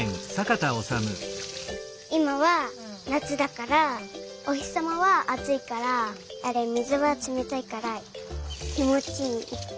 いまはなつだからおひさまはあついから水がつめたいからきもちいい。